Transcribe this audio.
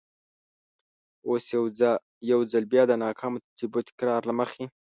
اوس یو ځل بیا د ناکامو تجربو تکرار له مخې.